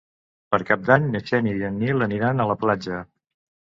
Per Cap d'Any na Xènia i en Nil aniran a la platja.